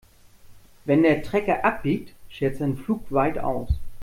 Wenn der Trecker abbiegt, schert sein Pflug weit aus.